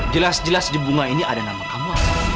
jelas jelas di bunga ini ada nama kamu